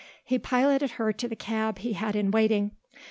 He piloted her to the cab he had in waiting.